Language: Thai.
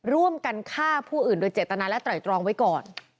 ร่วมกันฆ่าผู้อื่นโดยเจตนาและไตรตรองไว้ก่อน